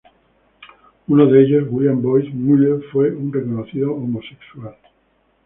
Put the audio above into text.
Uno de ellos, William Boyce Mueller, fue un reconocido homosexual.